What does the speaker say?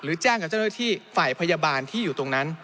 แจ้งกับเจ้าหน้าที่ฝ่ายพยาบาลที่อยู่ตรงนั้น